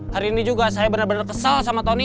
hari ini juga saya benar benar kesal sama tony